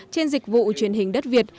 trên dịch vụ truyền hình đất việt